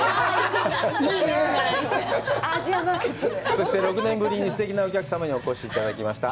そして、６年ぶりにすてきなお客様にきていただきました。